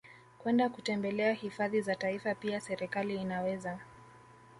kwenda kutembelea hifadhi za Taifa Pia serekali inaweza